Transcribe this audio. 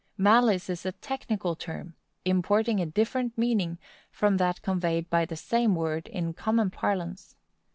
Malice is a technical term, importing a different meaning from that conveyed by the same word in common parlance.